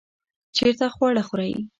چیرته خواړه خورئ؟